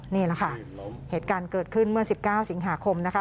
นี่แหละค่ะเหตุการณ์เกิดขึ้นเมื่อ๑๙สิงหาคมนะคะ